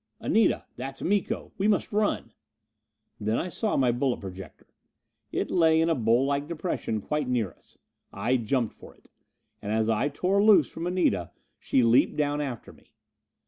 "Anita, that's Miko! We must run." Then I saw my bullet projector. It lay in a bowl like depression quite near us. I jumped for it. And as I tore loose from Anita, she leaped down after me.